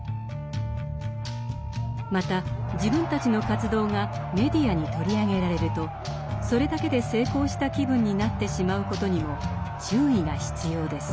また自分たちの活動がメディアに取り上げられるとそれだけで成功した気分になってしまうことにも注意が必要です。